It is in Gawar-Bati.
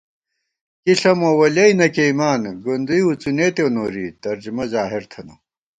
کِی ݪَمہ ولیَئی نہ کېئیمان ، گُندُوئی وڅُنېتېؤ نوری، ترجمہ ظاہر تھنہ